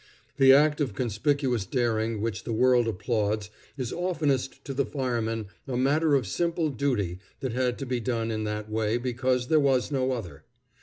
The act of conspicuous daring which the world applauds is oftenest to the fireman a matter of simple duty that had to be done in that way because there was no other.